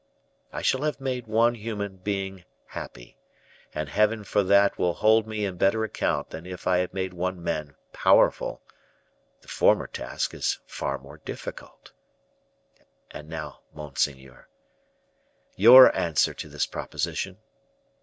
I shall have made one human being happy; and Heaven for that will hold me in better account than if I had made one man powerful; the former task is far more difficult. And now, monseigneur, your answer to this proposition?